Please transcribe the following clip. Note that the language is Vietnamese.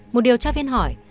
một điều tra viên hỏi